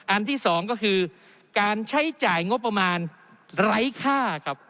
อันที่สองก็คือการใช้จ่ายงบประมาณไร้ค่าครับ